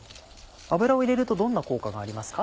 油を入れるとどんな効果がありますか？